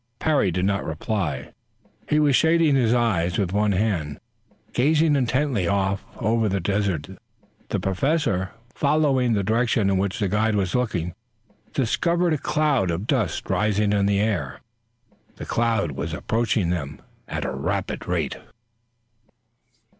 Parry did not reply. He was shading his eyes with one hand, gazing intently off over the desert. The Professor, following the direction in which the guide was looking, discovered a cloud of dust rising into the air. The cloud was approaching them at a rapid rate.